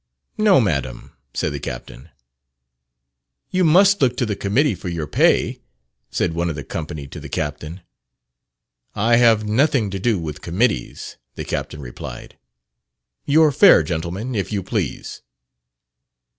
"No, Madam," said the captain. "You must look to the committee for your pay," said one of the company to the captain. "I have nothing to do with committees," the captain replied. "Your fare, Gentlemen, if you please."